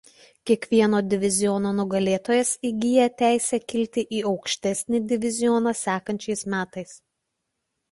Kiekvieno diviziono nugalėtojas įgyja teisę kilti į aukštesnį divizioną sekančiais metais.